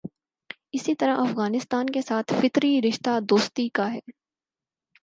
اسی طرح افغانستان کے ساتھ فطری رشتہ دوستی کا ہے۔